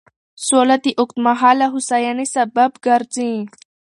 سوله د اوږدمهاله هوساینې سبب ګرځي.